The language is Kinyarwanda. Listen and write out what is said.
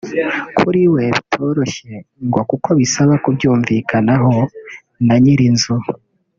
kuri we bitoroshye ngo kuko bisaba kubyumvikanaho na nyir’inzu